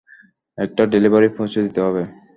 একটা ডেলিভারি পৌছে দিতে হবে।